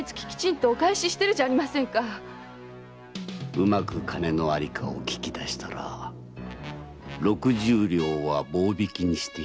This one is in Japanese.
うまく金の在りかを訊き出したら六十両は棒引きにしてやる。